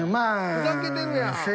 ふざけてるやん。